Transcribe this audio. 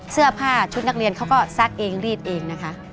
เสื้อผ้าชุดนักเรียนเขาก็ซักเองรีดเองนะคะ